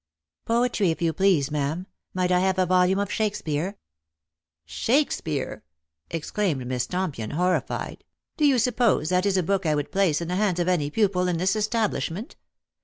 "Poetry, if you please, ma'am. Might I have a volume of Shakespeare ?"" Shakespeare !" exclaimed Miss Tompion, horrified. " Do you suppose that is a book I would place in the hands of any pupil in this establishment